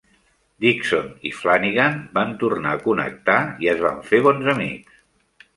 Dixon i Flanigan van tornar a connectar i es van fer bons amics.